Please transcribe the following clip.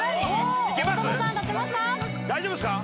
大丈夫ですか？